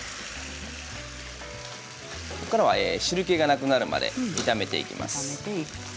ここからは汁けがなくなるまで炒めていきます。